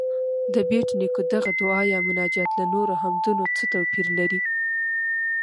د بېټ نیکه دغه دعا یا مناجات له نورو حمدونو څه توپیر لري؟